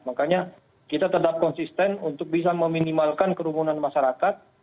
makanya kita tetap konsisten untuk bisa meminimalkan kerumunan masyarakat